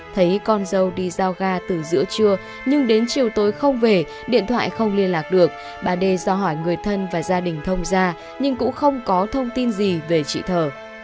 thấy con dâu đi giao ga từ giữa trưa nhưng đến chiều tối không về điện thoại không liên lạc được bà đê do hỏi người thân và gia đình thông ra nhưng cũng không có thông tin gì về chị thở